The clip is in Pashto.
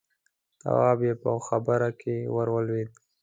تواب يې په خبره کې ور ولوېد: